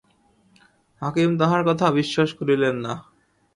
হাকিম তাহার কথা বিশ্বাস করিলেন না।